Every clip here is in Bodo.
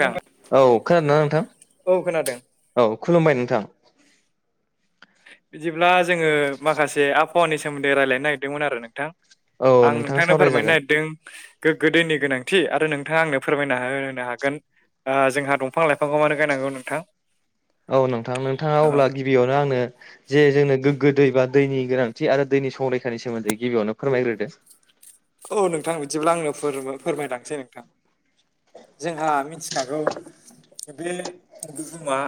थां औ खोनादोंना नोंथां औ खोनादों। औ खुलुमबाय नोंथां। बिदिब्ला जोङो माखासे आबहावानि सोमोन्दै रायलायनो नागिरदोंमोन आरो नोंथां। औ आं नोंथां नोंथांनो फोरमायनो सावरायजागोन नागिरदों गोगो दैनि गोनांथि आरो नोंथाङा आंनो फोरमायना होनो हागोन। ओ-जोंहा दंफां लाइफांखौ मानो गायनांगौ नोंथां। औ नोंथां नोंथाङा अब्ला गिबियावनो आंनो जे जोंनो गोग्गो दै बा दैनि गोनां थिआरो दैनि संरैखानि सोमोनदै गिबियावनो फोरमायग्रोदों। औ नोंथां बिदिब्ला आंनो फोर-फोरमायलांसै नोंथां। जोंहा मिथिखागौ। बे बुहुमा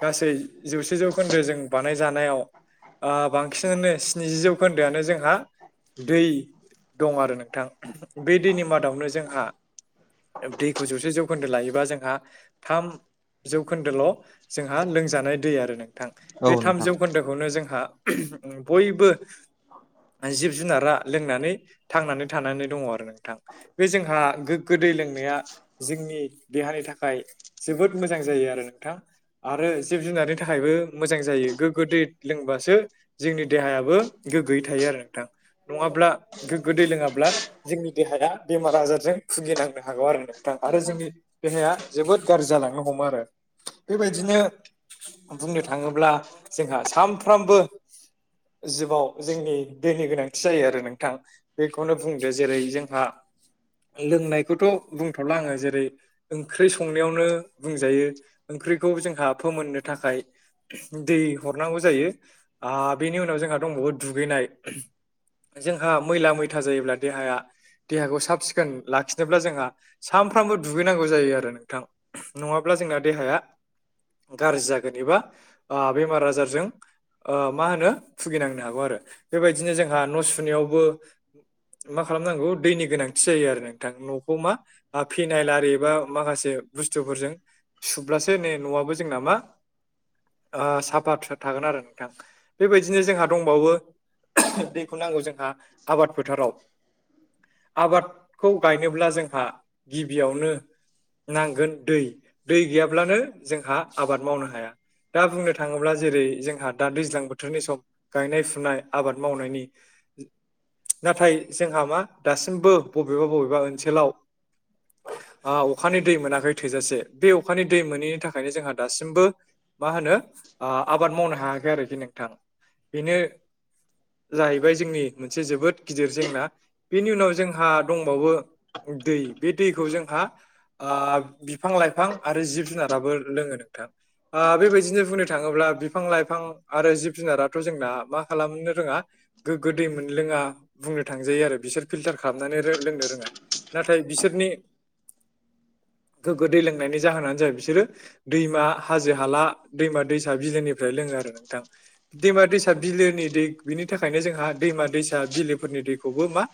गासै जौसे-जौखोन्दो जों बानायजानायाव ओ बांसिनानो स्निजि जौखोन्दोआानो जोंहा दै। दं आरो नोंथां बे दैनि मादावनो जोंहा दैखौ जौसे-जौखोन्दो लायोबा जोंहा थाम जौखोन्दोल' जोंहा लोंजानाय दै आरो नोंथां औ बे थाम- नोंथां जौखोन्दोखौनो जोंहा ओम बयबो जिब-जुनारा लोंनानै थांनानै थानानै दङ आरो नोंथां। बे जोंहा गोग्गो दै लोंनाया जोंनि देहानि थाखाय जोबोद मोजां जायो आरो नोंथां। आरो जिब-जुनारनि थाखायबो मोजां जायो गोग्गो दै लोंबासो जोंनि देहायाबो गोगोयै थायो आरो नोंथां नङाब्ला गोदै लोङाब्ला जोंनि देहाया बेमार आजारजों भुगिनांनो हागौ आरो नोंथां आरो जोंनि देहाया जोबोद गाज्रि जालांनो हमो आरो बेबायदिनो बुंनो थाङोब्ला जोंहा सानफ्रामबो जगाव जोंनि दैनि गोनांथि जायो आरो नोंथां। बेखौनो बुंदो जेरै जोंहा लोंनायखौथ' बुंथ'ला आङो जेरै ओंख्रि संनायावनो बुंजायो ओंख्रिखौ जोंहा फोमोननो थाखाय दै हरनांगौ जायो आ, बेनि उनाव जोंहा दंबावो दुगैनाय। जोंहा मैला- मैथा जायोब्ला देहाया देहाखौ साब-सिखोन लाखिनोब्ला जोंहा सानफ्रामबो दुगैनांगौ जायो आरो नोंथां। नङाब्ला जोंना देहाया गाज्रि जागोन एबा ओ बेमार आजारजों ओ माहोनो भुगिनांनो हागौ आरो बेबायदिनो जोंहा न' सुनायावबो मा खालामनांगौ दैनि गोनांथि जायो आरो नोंथां न'खौ मा फिनाल आरि बा माखासे बुस्थुफोरजों सुब्लासो नै न'आबो जों नामा ओ साफा थागोन आरो नोंथां बेबायदिनो जोंहा दंबावो दैखौ नांगौ जोंहा आबाद फोथाराव। आबादखौ गायनोब्ला जोंहा गिबियावनो नांगोन दै-दै गैयाब्लानो जोंहा आबाद मावनो हाया। दा बुंनो थाङोब्ला जेरै जोंहा दा-दैज्लां बोथोरनि सम। गायनाय- फुनाय आबाद मावनायनि नाथाय जोंहा मा दासिमबो बबेबा- बबेबा ओनसोलाव ओ अखानि दै मोनाखै थोजासे बे अखानि दै मोनैनि थाखायनो जोंहा दासिमबो मा होनो ओ आबाद मावनो हायाखै आरोखि नोंथां बेनो जाहैबाय जोंनि मोनसे जोबोद गिदिर जेंना बेनि उनाव जोंहा दंबावो दै बे दैखौ जोंहा ओ बिफां-लाइफां आरो जिब-जुनाराबो लोङो नोंथां। ओ बेबायदिनो बुंनो थाङोब्ला बिफां-लाइफां आरो जिब जुनाराथ' जोंना मा खालामनो रोङा गोगो दै मोनलोङा। बुंनो थांजायो आरो बिसोर फिल्टार खालामनानै लोंनो रोङा नाथाय बिसोरनि गोगो दै लोंनायनि जाहोनानो जाबाय बिसोरो दैमा हाजो हाला दैमा दैसा बिलोनिफ्राय लोङो आरो नोंथां दैमा दैसा बिलोनि दै बिनि थाखायनो जोंहा दैमा दैसा बिलो फोरनि दैखौबो मा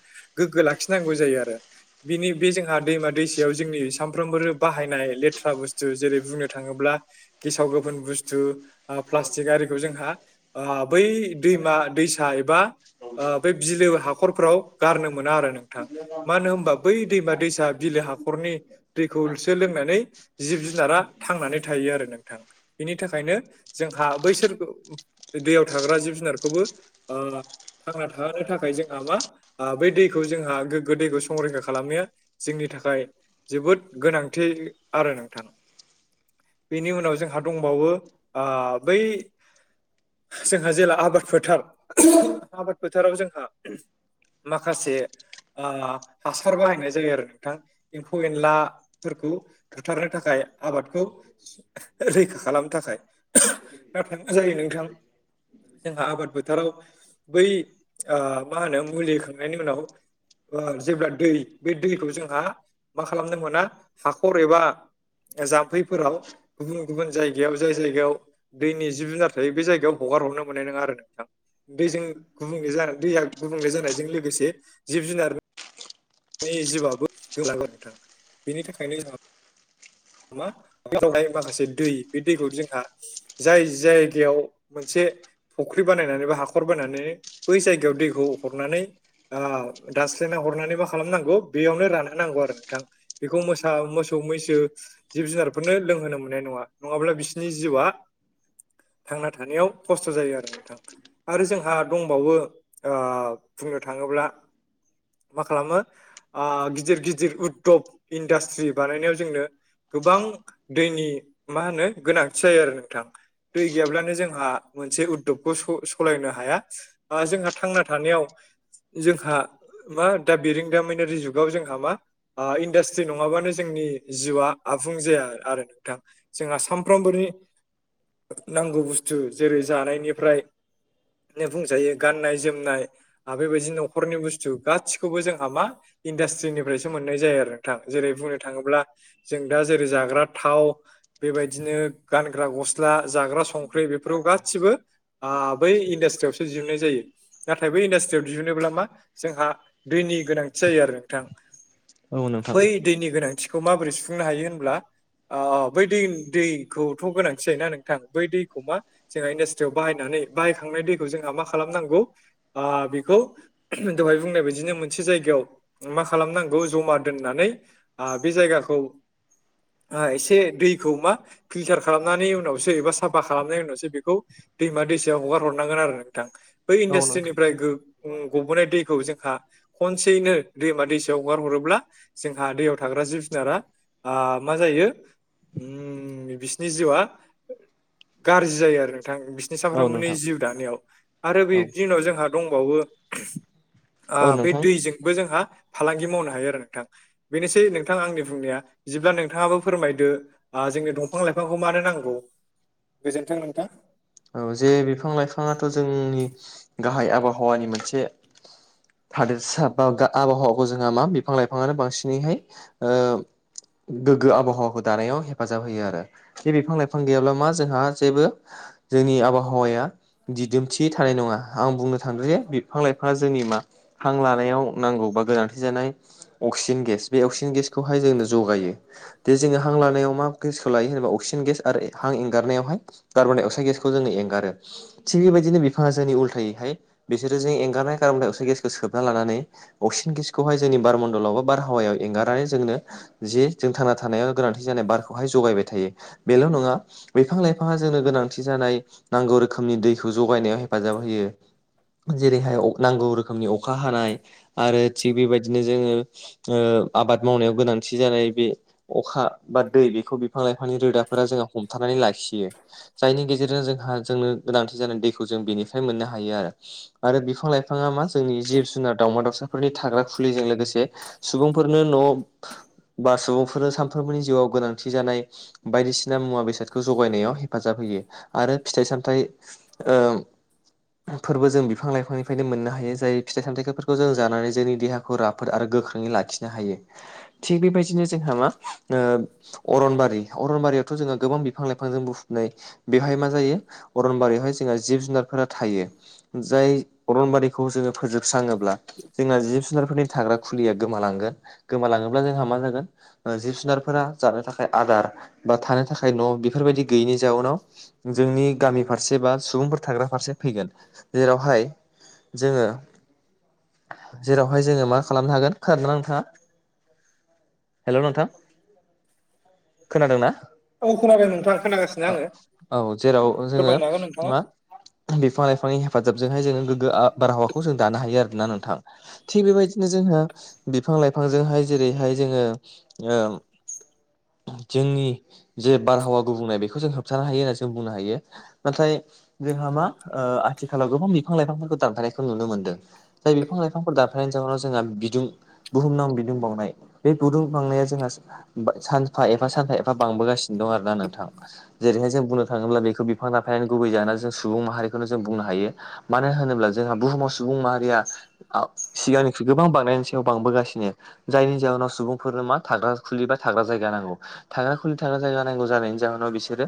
गोगो लाखिनांगौ जायो आरो बिनि बे जोंहा दैमा दैसायाव जोंनि सानफ्रोमबो बाहायनाय लेथ्रा बुस्थु जेरै बुंनो थाङोब्ला गेसाव गोफोन बुस्थु ओ प्लास्टिक आरिखौ जोंहा ओ बै दैमा दैसा एबा ओ बै बिलो हाखरफ्राव गारनो मोना आरो नोंथां मानो होनबा बै दैमा दैसा बिलो हाखरनि दैखौसो लोंनानै जिब जुनारा थांनानै थायो आरो नोंथां बिनि थाखायनो जोंहा बैसोरखौ दैयाव थाग्रा जिब जुनारखौबो ओ थांना थाहानो थाखाय जोंहा मा ओ बै दैखौ जोंहा गोगो दैखौ संरैखा खालामनाया जोंनि थाखाय जोबोद गोनांथि आरो नोंथां बेनि उनाव जोंहा दंबावो ओ बै जोंहा जेला आबाद फोथार आबाद फोथाराव जोंहा माखासे ओ हासार बाहायनाय जायो आरो नोंथां एम्फौ एनलाफोरखौ बुथारनो थाखाय आबादखौ रैखा खालामनो थाखाय नाथाय मा जायो नोंथां जोंहा आबाद फोथाराव बै ओ माहोनो मुलि होखांनायनि उनाव ओ जेब्ला दै बे दैखौ जोंहा मा खालामनो मोना हाखर एबा जाम्फैफोराव गुबुन गुबुन जायगायाव जाय जायगायाव दैनि जिब जुनार थायो बे जायगायाव हगार हरनो मोननाय नङा आरो नोंथां दैजों गुबुंले जाहो दैया गुबुंले जानायजों लोगोसे जिब जुनार नि जिउआबो गोमालाङो नोंथां बेनि थाखायनो जोंहा मा बेवहाय माखासे दै बे दैखौ जोंहा जाय जायगायाव मोनसे फुख्रि बानायनानै बा हाखर बानायनानै बै जायगायाव दैखौ हरनानै ओ दास्लिना हरनानैबा खालामनांगौ बेयावनो रानहो नांगौ आरो नोंथां बेखौ मोसा मोसौ मैसो जिब जुनारफोरनो लोंहोनो मोननाय नङा नङाब्ला बिसोरनि जिउआ थांना थानायाव खस्त जायो आरो नोंथां आरो जोंहा दंबावो ओ बुंनो थाङोब्ला मा खालामो ओ गिदिर गिदिर उद्धब इन्डास्ट्रि बानायनायाव जोंनो गोबां दैनि मा होनो गोनांथि जायो आरो नोंथां दै गैयाब्लानो जोंहा मोनसे उद्दबखौ स सालायनो हाया ओ जोंहा थांना थानायाव जोंहा मा दा बेरों दामिनारि जुगाव जोंहा मा ओ इन्डास्ट्रि नङाबानो जोंनि जिउआ आबुं जाया आरो नोंथां जोंहा सामफ्रोमबोनि नांगौ बुस्थु जेरै जानायनिफ्राय बुंजायो गाननाय जोमनाय आरो बेबायदिनो न'खरनि बुस्थु गासिखौबो जों हा मा इन्डासट्रिनिफ्रायसो मोननाय जायो आरो थां जेरै बुंनो थाङोब्ला जों दा जेरै जाग्रा थाव बेबायदिनो गानग्रा गस्ला जाग्रा संख्रि बेफोराव गासिबो ओ बै इन्डास्ट्रियाव बिजिरनाय जायो नाथाय बै इन्दास्ट्रियाव दिहोनोब्ला मा दैनि गोनांथि जायो आरो नोंथां औ नोंथां बै दैनि गोनांथिखौ माबोरै सुफुंनो हायो होनब्ला ओ बै दै दैखौथ' गोनांथि जायोना नोंथां बै दैखौ मा जोंहा इन्डासट्रियाव बाहायनानै बाहायखांनाय दैखौ जोंहा मा खालामनांगौ बेखौ दहाय बुंनाय बायदिनो मोनसे जायगायाव मा खालामनांगौ जमा दोननानै बे जायगाखौ एसे दैखौ मा फिलटार खालामनायनि उनावसो एबा साफा खालामनायनि उनावसो बेखौ दैमा दैसायाव हगार हरनांगोन आरो नोंथां बै औ नोंथां इन्डास्ट्रिनिफ्राय गो अम गबोनाय दैखौ जोंहा खनसेयैनो दैमा दैसायाव हगार हरोब्ला जोंहा दैयाव थाग्रा जिब जुनारा ओ मा जायो अम बिसिनि जिउआ गाज्रि जायो आरो नोंथां बि साफ्रोमबोनि जिउ दानायाव आरो औ बिनि उनाव जोंहा दंबावो औ नोंथां जजोंबो जोंहा फालांगि मावनो हायो आरो नोंथां बेनोसै नोंथां आंनि बुंनाया जेब्ला नोंथाङाबो फोरमायदो जोंनो दंफां लाइफांखौ मानो नांगौ गोजोनथों नोंथां औ जे बिफां लाइफाङाथ' जोंनि गाहाय आबहावानि मोनसे थादोरसा बा आबहावाखौ जोंहा मा बिफां लाइफाङानो बांसिनैहाय गोग्गो आबहावाखौ दानायाव हेफाजाब होयो आरो बेे बिफां लाइफां गैयाब्ला मा जोंहा जेबो जोंनि आबहावाया दिदोमथि थानाय नङा आं बुंनो थांदों जे बिफां लाइफाङा जोंनि मा हां लानायाव नांगौ बा गोनांथि जानाय अक्सिजेन गेस बे अक्सिजेन गेसखौहाय जोंनो जगायो दे जोङो हां लानायाव मा गेसखौ लायो होनबा अक्सिजेन गेस आरो हां एंगारनायावहाय कार्बनडाइअक्साइड गेसखौ बे खौ जोङो एंगारो थिग बेबायदिनो बिफाङा जोंनि उल्थायैहाय बिसोरो जों एंगारनाय कारन दस गेसखौ सोबना लानानै अक्सिन गेसखौहाय जोंनि बारमण्डलाव बा बारहावायाव एंगारनानै जोंनो जे जों थांना थानायाव गोनांथि जानाय बारखौहाय जगायबाय थायो बेल' नङा बिफां लाइफाङा जोंनो गोनांथि खि जानाय नांगौ रोखोमनि दैखौ जगायनायाव हेफाजाब होयो जेरैहाय नांगौ रोखोमनि अखा हानाय आरो थिग बेबायदिनो जोङो आबाद मावनायाव गोनांथि जानाय बे अखा बा दै बेखौ बिफां लाइफांनि रोदाफोरा जोंहा हमथानानै लाखियो जायनि गेजेरजों जोंहा जोंनो गोनांथि जानाय दैखौ जों बेनिफ्राय मोननो हायो आरो आरो बिफां लाइफाङा मा जोंनि जिब जुनार दाउमा दाउसाफोरनि थाग्रा खुलिजों लोगोसे सुबुंफोरनो न' बा सुबुंफोरनो सानफ्रोमबोनि जिउआव गोनांथि जानाय बायदिसिना मुवा बेसादखौ जगायनायाव हेफाजाब दाफैयो आरो फिथाइ सामथाइ ओम फोरबो जों बिफां लाइफांनिफ्रायनो मोननो हायो जाय फिथाइ सामथायाइफोरखौ जों जानानै जोंनि देहाखौ खौ राफोद आरो गोख्रोङै लाखिनो हायो थिग बेबायदिनो जोंहा मा अरनबारि अरनबारियावथ' जोङो गोबां बिफां लाइफांजों बु नाय बेवहाय मा जायो अरनबारियावहाय जोंहा जिब जुनारफोरा थायो जाय अरनबारिखौ जोङो फोजोबस्राङोब्ला जोंना जिब जुनारफोरनि थाग्रा खुलिया गोमालांगोन गोमालाङोब्ला जोंहा मा जागोन जिब जुनारफोरा जानो थाखाय आदार बा थानो थाखाय न' बेफोरबायदि गैयिनि जाउनाव जोंनि गामि फारसे बा सुबुंफोर थाग्रा फारसे फैगोन जेरावहाय जोङो जेरावहाय जोङो मा खालामनो हागोन खोना नोंथाङा हेलौ नोंथां खोनादोंना औ खोनादों नोंथा खोनासि ओ औ जेराव जोङो नोंथाङा मा बिफां लाइफांनि हेफाजाबजोंहाय जोङो गोग्गो बारहावाखौ जों दानो हायो आर ना नोंथां थिग बेबायदिनो जोंहा बिफां लाइफांजोंहाय जेरैहाय जोङो जोंनि जे बारहावा गुबुंनाय बेखौ जों होबथानो हायो होननानै जों बुंनो हायो। नाथाय जोंहा मा ओ आथिखालाव गोबां बिफां लाइफांफोरखौ दानफनायखौ नुनो मोनदों। जाय बिफां लाइफांफोर दानफनायनि जाहनाव जोंहा बिदुं बुहुमनां बिदुं बावनाय बे बिदुं बांनाया जोंहा सानफा एफा सानफा एफा बांबोगासिनो दं आरो ना नोंथां। जेरैहाय जों बुंनो थाङोब्ला बेखौ बिफां दानफायनानै गुबै जानानै जों सुबुं माहारिखौनो जों बुंनो हायो। मानो होनोब्ला जोंहा बुहुमाव सुबुं माहारिया। आव सिगांनिख्रुइ गोबां बांनायनि सिगाव बांबोगासिनो। जायनि जाहोनाव सुबुंफोरनो मा थाग्रा खुलि बा थाग्रा जायगा नांगौ थाग्रा खुलि थाग्रा जायगा नांगौ जानायनि। जाहोनाव बिसोरो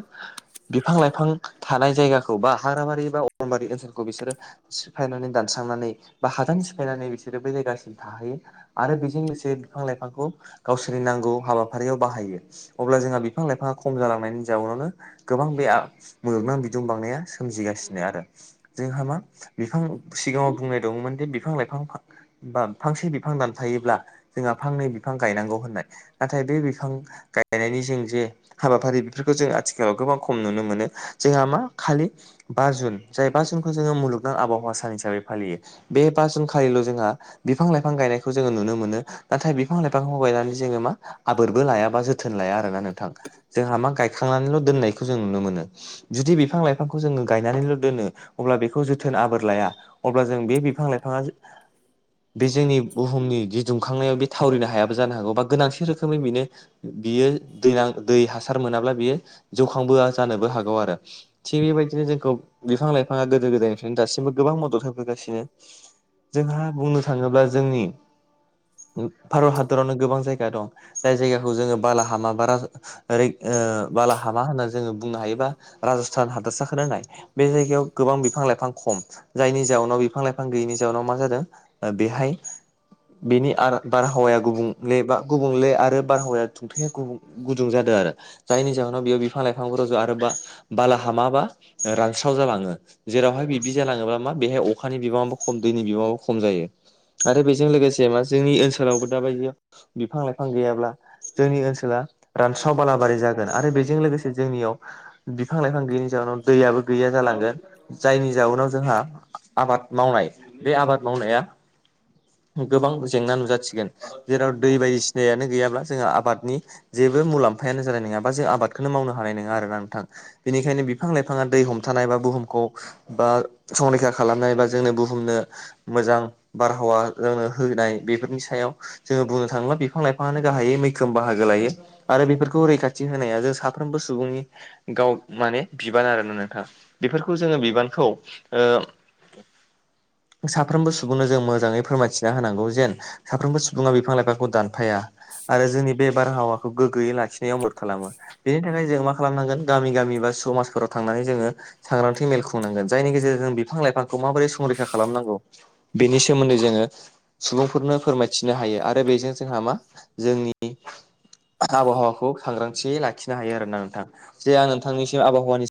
बिफां लाइफां थानाय जायगाखौ बा हाग्राबारि बा अरनबारि ओनसोलखौ बिसोरो सिफायनानै दानस्रांनानै बा हादान सिफायनानै बिसोरो बै जायगासिम हा होयो आरो बेजों लोगोसे बिफां लाइफांखौ गावसोरनि नांगौ हाबाफारियाव बाहायो। अब्ला जोंहा बिफां लाइफाङा खम जालाङो। जानायनि जाउनावनो गोबां बे मोगनां बिदुं बांनाया सोमजिगासिनो आरो। जोंहा मा बिफां सिगाङाव बुंनाय दंमोन दि बिफां लाइफां। बा फांसे बिफां दानफायोब्ला। जोंहा फांनै बिफां गायनांगौ होननाय नाथाय बे बिफां गायनायनि जों जे हाबाफारि। बेफोरखौ जों आथिखालाव गोबां खम नुनो मोनो जोंहा मा खालि। बा जुन जाय बा जुनखौ जोङो मुलुगनां आबहावा सान हिसाबै फालियो। बे बा जुनखालिल' जोंहा। बिफां लाइफां गायनायखौ जोङो नुनो मोनो नाथाय बिफां लाइफांखौ गायनानै जोङो मा। आबोरबो लायाबा जोथोन लाया आरोना नोंथां जोंहा मा गायखांनानैल' दोननायखौ जों नुनो मोनो। जुदि बिफां लाइफांखौ जोङो गायनानैल' दोनो अब्ला बेखौ जोथोन आबोर लाया। अब्ला जों बे बिफां लाइफाङा। बे जोंनि बुहुमनि जि दुंखांनायाव बे थावरिनो हायाबो जानो हागौ बा गोनांथि रोखोमै बेनो। बियो दै हासार मोनाब्ला बियो जौखांबोआ जानोबो हागौ आरो। थिग बेबायदिनो जोंखौ बिफां लाइफाङा गोदो गोदायनिफ्रायनो दासिमबो गोबां मदद होबोगासिनो। जोंहा बुंनो थाङोब्ला जोंनि। भारत हादरावनो गोबां जायगा दं जाय जायगाखौ जोङो बालाहामा बारा। ओरै ओ बालाहामा होनना जोङो बुंनो हायोबा राजस्थान हादोरसाखौ नाय। बे जायगायाव गोबां बिफां लाइफां खम। जायनि जाउनाव बिफां लाइफां गैयिनि जाउनाव मा जादों बेहाय। बेनि आर बारहावाया गुबुंले बा गुबुंले आरो बारहावाया खुंथाया गुबुं। गुदुं जादों आरो जायनि जाहोनाव बेयाव बिफां लाइफां आरोबा। बालाहामा रानस्राव जालाङो। जेरावहाय बिदि जालाङोब्ला मा बेहाय अखानि बिबाङाबो खम दैनि बिबाङाबो खम जायो। आरो बेजों लोगोसे मा जोंनि ओनसोलावबो दाबायदि बिफां लाइफां गैयाब्ला। जोंनि ओनसोला रानस्राव बालाबारि जागोन आरो बेजों लोगोसे जोंनियाव। बिफां लाइफां गैयिनि जाउनाव दैयाबो गैया जालांगोन। जायनि जाउनाव जोंहा आबाद मावनाय बे आबाद मावनाया। गोबां जेंना नुजाथिगोन जेराव दै बायदिसिनायानो गैयाब्ला जोंहा आबादनि जेबो मुलाम्फायानो जानाय नङा बा जों आबादखौनो मावनो हानाय नङा आरोना नोंथां। बेनिखायनो बिफां लाइफाङा दै हमथानाय बा बुहुमखौ बा संरैखा खालामनाय बा जोंनो बुहुमनो मोजां बारहावा ओ होनाय बेफोरनि सायाव जोङो बुंनो थाङोब्ला बिफां लाइफां फांनो गाहायै मैखोम बाहागो लायो आरो बेफोरखौ रैखाथि होनाया जों साफ्रोमबो सुबुंनि गाव माने बिबान आरोना नोंथाङ बेफोरखौ जोङो बिबानखौ ओ साफ्रोमबो सुबुंनो जों मोजाङै फोरमाय। जा होनांगौ जेन साफ्रोमबो सुबुङा बिफां लाइफांखौ दान थफाया आरो जोंनि बे बारहावाखौ गोग्गयै लाखिनो मद खालामो बेनि थाखाय जों मा खालामनांगोन गामि गामि बा समाजफोराव थांनानै जोङो सांग्रांथि मेल खुंनांगोन जायनि गेजेरजोंों बिफां लाइफांखौ माबोरै संरैखा खालामनांगौ बेनि सोमोन्दै जोङो सुबुंफोरनो फोरमायथिनो हायो आरो बेजों जोंहा मा जोंनि आबहावाखौ सांग्रांथियै लाखिनो हायो आरो ना नोंथां जे आं नोंथांनिसिम आबहावानि